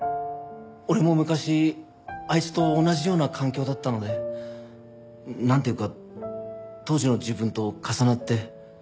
俺も昔あいつと同じような環境だったのでなんていうか当時の自分と重なって。